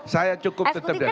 saya cukup tetap di ligup